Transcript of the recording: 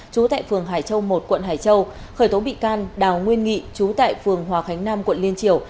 trú tại phường hải châu một quận hải châu khởi tố bị can đào nguyên nghị chú tại phường hòa khánh nam quận liên triều